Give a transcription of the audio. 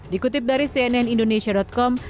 dikutip dari cnn indonesia com